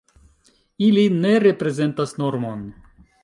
Ili ne reprezentas normon.